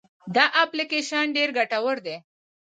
دا اپلیکیشن ډېر ګټور دی.